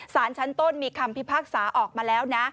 สารชั้นต้นมีคำพิพากษาออกมาแล้วนะ